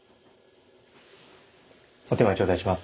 お点前頂戴します。